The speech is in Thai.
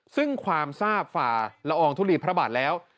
ซึ่งความทราบฝ่าละอองทุลีพระบาทแล้ว